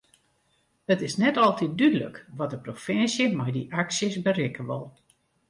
It is net altyd dúdlik wat de provinsje met dy aksjes berikke wol.